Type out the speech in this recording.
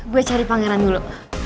gue cari pangeran dulu